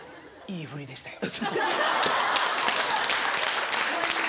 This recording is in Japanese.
いいふりでしたよ。